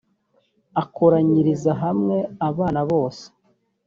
akoranyirize hamwe abana bose